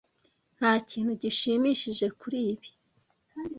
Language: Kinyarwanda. Nta kintu gishimishije kuri ibi.